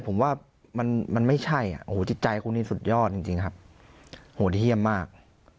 ผมว่ามันมันไม่ใช่อ่ะโอ้โหจิตใจคุณนี่สุดยอดจริงจริงครับโหเที่ยมมาก